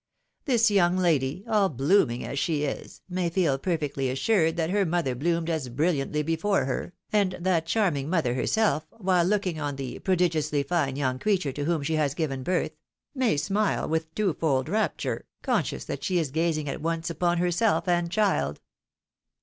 This young lady, S02 THE WIDOW MARRIED. all blooming as she is, may feel perfectly assiired that her mother bloomed as brilliantly before her, and that charming mother herself, while looking on the prodigiously fine young creature to whom she has given bifth, may smile with two fold rapture, conscious that she is gazing at once upon herself and child."